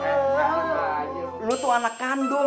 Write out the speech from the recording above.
mereka tuh anak kandung